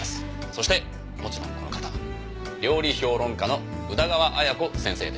そしてもちろんこの方料理評論家の宇田川綾子先生です」